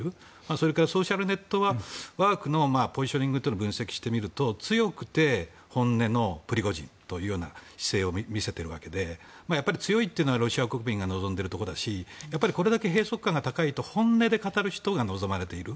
それからソーシャルネットワークのポジショニングを分析してみると強くて本音のプリゴジンという姿勢を見せているわけで強いというのはロシア国民が望んでいるところだしこれだけ閉塞感が高いと本音で語る人が望まれている。